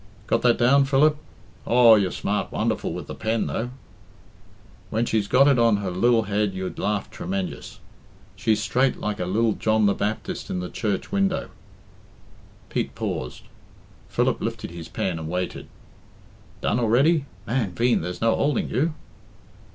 "Got that down, Philip? Aw, you're smart wonderful with the pen, though.... 'When she's got it on her lil head you'd laugh tremenjous. She's straight like a lil John the Baptist in the church window' " Pete paused; Philip lifted his pen and waited. "Done already? Man veen, there's no houlding you....